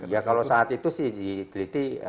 ya kalau saat itu sih diteliti